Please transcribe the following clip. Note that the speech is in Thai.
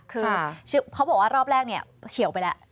คือเขาบอกว่ารอบแรกเนี่ยเฉียวไปแล้ว